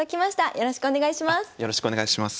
よろしくお願いします。